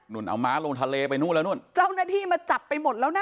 เอาม้าลงทะเลไปนู่นแล้วนู่นเจ้าหน้าที่มาจับไปหมดแล้วนะ